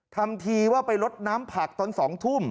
ทำทีว่าไปลดน้ำผักตอน๒ทุ่ม